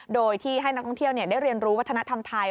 โดยที่ให้นักท่องเที่ยวได้เรียนรู้วัฒนธรรมไทย